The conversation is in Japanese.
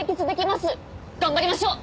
頑張りましょう！